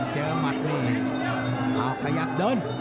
หมัดนี่เอาขยับเดิน